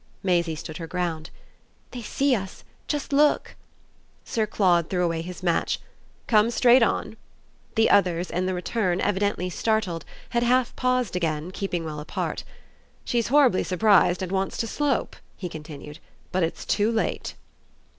Maisie stood her ground. "They see us. Just look." Sir Claude threw away his match. "Come straight on." The others, in the return, evidently startled, had half paused again, keeping well apart. "She's horribly surprised and wants to slope," he continued. "But it's too late."